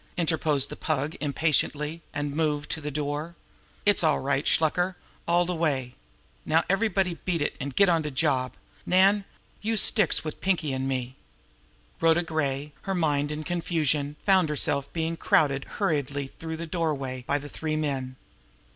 interposed the Pug impatiently and moved toward the door. "It's all right, Shluker all de way. Now, everybody beat it, an' get on de job. Nan, youse sticks wid Pinkie an' me." Rhoda Gray, her mind in confusion, found herself being crowded hurriedly through the doorway by the three men.